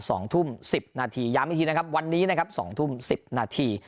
สองทุ่มสิบนาทีย้ำอีกทีนะครับวันนี้นะครับสองทุ่มสิบนาที